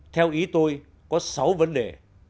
theo ý tôi có sáu vấn đề